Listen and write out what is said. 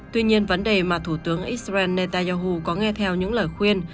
tuy nhiên vấn đề mà thủ tướng israel netanyahu có nghe theo những lời khuyên